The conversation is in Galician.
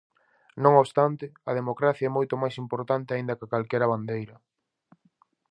Non obstante, a democracia é moito máis importante aínda ca calquera bandeira.